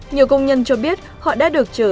nhiều công nhân cho biết họ đã được chở